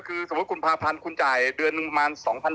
ก็คิเวลาคุณพรพันธุ์คุณจ่ายเนื้อนึงมา๒๕๐๐